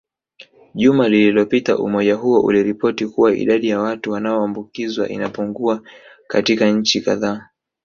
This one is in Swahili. Juma lilopita umoja huo uliripoti kuwa idadi ya watu wanaoambukizwa inapungua katika nchi kadhaa